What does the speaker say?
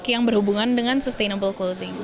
yang berhubungan dengan sustainable coloting